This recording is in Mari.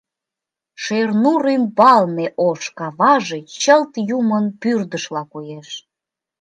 Шернур ӱмбалне ош каваже чылт Юмын пӱрдышла коеш.